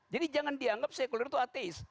jadi jangan dianggap sekuler itu ateis